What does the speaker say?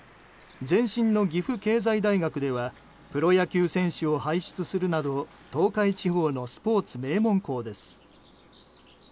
前身の岐阜経済大学ではプロ野球選手を輩出するなど東海地方のスポーツ名門校です。